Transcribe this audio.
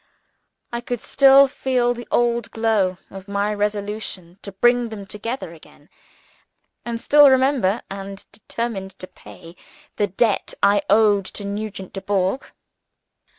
I could still feel the old glow of my resolution to bring them together again, and still remember (and determine to pay) the debt I owed to Nugent Dubourg.